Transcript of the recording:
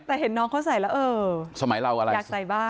แต่เห็นน้องเขาใส่แล้วอยากใส่บ้าง